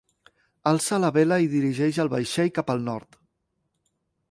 Alça la vela i dirigeix el vaixell cap al nord.